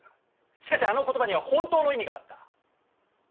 しかしあの言葉には本当の意味があった。